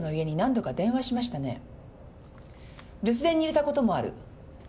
留守電に入れたこともある。